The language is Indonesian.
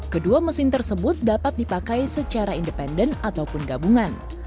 kedua mesin tersebut dapat dipakai secara independen ataupun gabungan